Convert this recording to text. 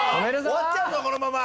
終わっちゃうぞこのまま。